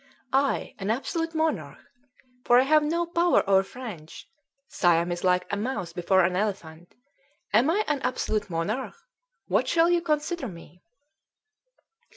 "I an absolute monarch! For I have no power over French. Siam is like a mouse before an elephant! Am I an absolute monarch? What shall you consider me?"